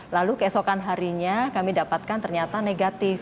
lalu keesokan harinya kami dapatkan ternyata negatif